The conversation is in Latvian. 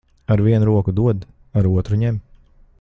Ar vienu roku dod, ar otru ņem.